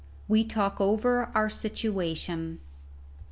WE TALK OVER OUR SITUATION.